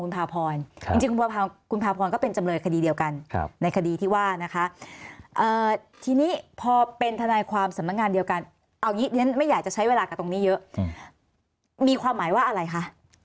โทษค่ะเอ่ออาทินที่นี่พอเป็นทานัยความสำนักงานเดียวกันการยินจะไม่อยากจะใช้เวลากับมีอยู่มีความหมายว่าอะไรคะ